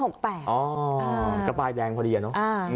ก็ป้ายแดงพอดีอะเนาะ